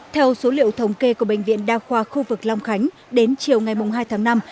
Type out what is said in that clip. theo số liệu thống kê của bệnh viện đa khoa khu vực long khánh đến chiều ngày hai tháng năm